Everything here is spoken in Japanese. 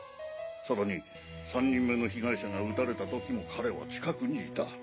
さらに３人目の被害者が撃たれた時も彼は近くにいた。